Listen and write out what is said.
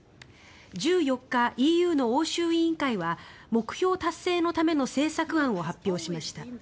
１４日、ＥＵの欧州委員会は目標達成のための政策案を発表しました。